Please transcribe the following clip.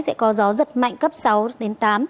sẽ có gió giật mạnh cấp sáu đến tám